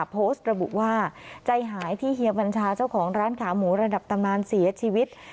โพสต์ระบุว่าใจหายที่เฮียบัญชาเจ้าของร้านขาหมูระดับตำนานเสียชีวิต